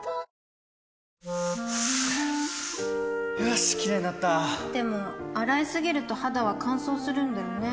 よしキレイになったでも、洗いすぎると肌は乾燥するんだよね